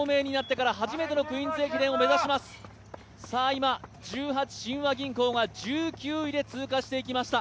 今、十八親和銀行が１９位で通過していきました。